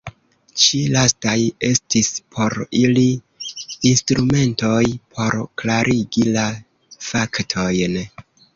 Ĉi lastaj estis por ili instrumentoj por klarigi la faktojn.